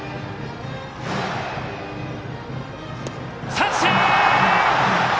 三振！